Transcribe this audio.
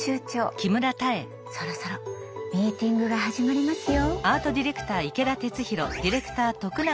そろそろミーティングが始まりますよ。